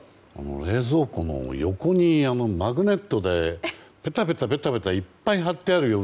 冷蔵庫の横にマグネットで、ペタペタといっぱい貼ってあるよ